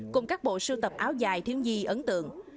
cùng các bộ sưu tập áo dài thiếu nhi ấn tượng